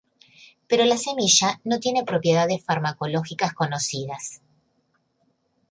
Pero la semilla no tiene propiedades farmacológicas conocidas.